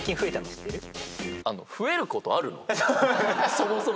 そもそも。